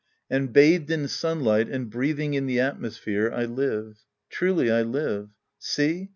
And bathed in sunlight and breathing in the at mosphere, I live. Truly I live. See